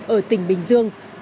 ở tỉnh bình dương